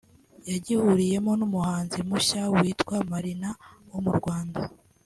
yagihuriyemo n’umuhanzi mushya witwa Marina wo mu Rwanda